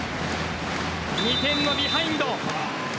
２点のビハインド。